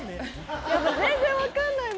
全然分かんない。